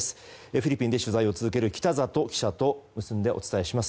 フィリピンで取材を続ける北里記者と中継を結んでお伝えします。